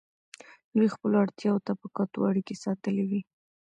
دوی خپلو اړتیاوو ته په کتو اړیکې ساتلې وې.